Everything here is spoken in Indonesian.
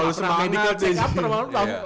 lalu semangat sih